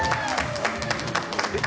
えっ？